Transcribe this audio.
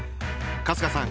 春日さん